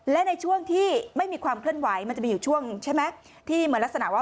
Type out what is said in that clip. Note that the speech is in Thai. และในช่วงที่ไม่มีความเคลื่อนไหวมันจะมีอยู่ช่วงใช่ไหมที่เหมือนลักษณะว่า